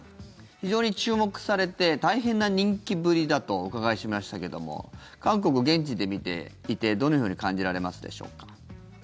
非常に注目されて大変な人気ぶりだとお伺いしましたけれども韓国、現地で見ていてどういうふうに感じられますでしょうか。